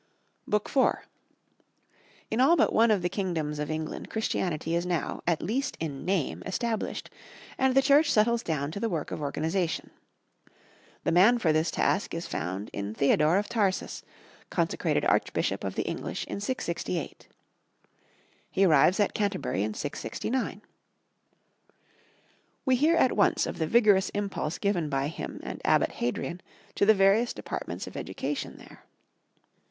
BOOK IV.—In all but one of the kingdoms of England Christianity is now, at least in name, established, and the Church settles down to the work of organization. The man for this task is found in Theodore of Tarsus, consecrated Archbishop of the English in 668. He arrives at Canterbury in 669. We hear at once of the vigorous impulse given by him and Abbot Hadrian to the various departments of education there.